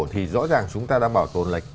thì rõ ràng chúng ta đang bảo tồn lệch